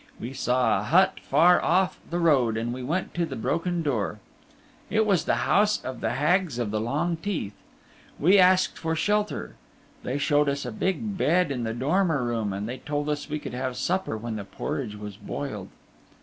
We saw a hut far off the road and we went to the broken door. It was the house of the Hags of the Long Teeth. We asked for shelter. They showed us a big bed in the dormer room, and they told us we could have supper when the porridge was boiled.